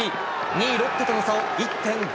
２位、ロッテとの差を１．５